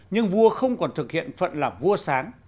nhưng vua không còn thực hiện phận là vua sáng